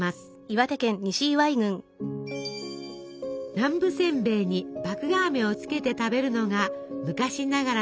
南部せんべいに麦芽あめをつけて食べるのが昔ながらの楽しみ方。